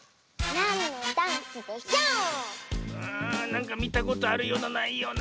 なんかみたことあるようなないような。